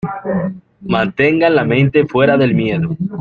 mantengan la mente fuera del miedo.